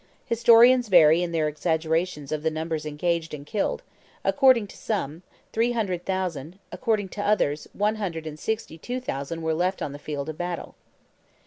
Historians vary in their exaggerations of the numbers engaged and killed: according to some, three hundred thousand, according to others, one hundred and sixty two thousand were left on the field of battle.